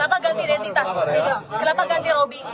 kenapa ganti identitas kenapa ganti roby namanya